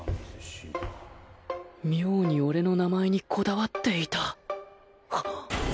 妙に俺の名前にこだわっていたハッ！？